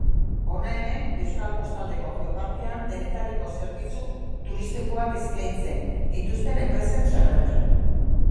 Hona hemen Euskal Kostaldeko Geoparkean denetariko zerbitzu turistikoak eskaintzen dituzten enpresen zerrenda.